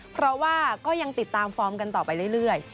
เพราะว่าก็ยังติดตามฟอร์มกันต่อไปเรื่อย